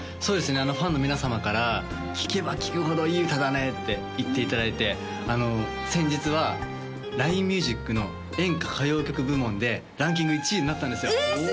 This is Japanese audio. そうですねあのファンの皆様から聴けば聴くほどいい歌だねって言っていただいてあの先日はＬＩＮＥＭＵＳＩＣの演歌歌謡曲部門でランキング１位になったんですよえ